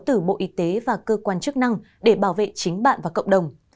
từ bộ y tế và cơ quan chức năng để bảo vệ chính bạn và cộng đồng